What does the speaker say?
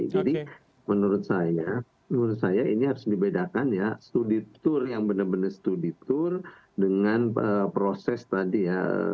jadi menurut saya ini harus dibedakan ya studi tur yang benar benar studi tur dengan proses tadi ya